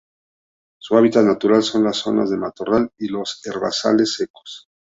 Su hábitat natural son las zonas de matorral y los herbazales secos.